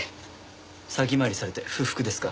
先回りされて不服ですか？